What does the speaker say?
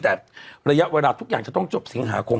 แต่ระยะเวลาทุกอย่างจะต้องจบสิงหาคม